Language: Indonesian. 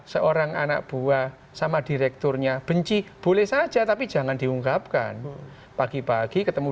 seorang anak buah sama direkturnya benci boleh saja tapi jangan diungkapkan pagi pagi ketemu